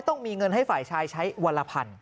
ต้องมีเงินให้ฝ่ายชายใช้วันละพัน